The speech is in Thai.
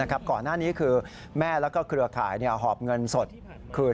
ก่อนหน้านี้คือแม่แล้วก็เครือข่ายหอบเงินสดคืน